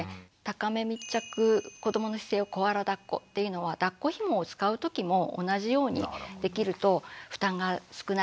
高め密着子どもの姿勢をコアラだっこっていうのはだっこひもを使う時も同じようにできると負担が少ないっていうことができるかなと思います。